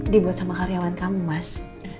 dibuat sama karyawan kamu mas